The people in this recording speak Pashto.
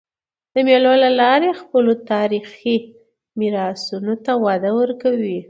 د مېلو له لاري خلک خپلو تاریخي میراثونو ته وده ورکوي.